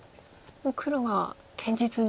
もう黒は堅実に。